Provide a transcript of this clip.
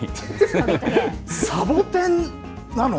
サボテンなの？